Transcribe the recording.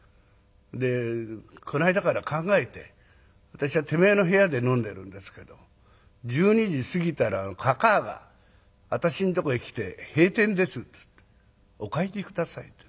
でこないだから考えて私はてめえの部屋で飲んでるんですけど１２時過ぎたらかかあが私のとこへ来て「閉店です」つってお帰り下さいと。